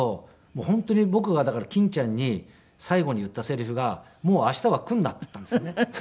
本当に僕がだから欽ちゃんに最後に言ったセリフが「もう明日は来んな」って言ったんですよね。